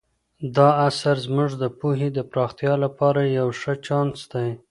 دا اثر زموږ د پوهې د پراختیا لپاره یو ښه چانس دی.